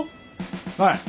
はい。